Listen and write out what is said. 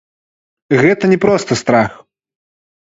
Гэта не проста страх.